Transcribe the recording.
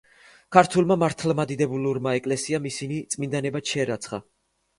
ქართულმა მართლმადიდებლურმა ეკლესიამ ისინი წმინდანებად შერაცხა.